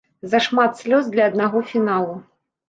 Зашмат слёз для аднаго фіналу.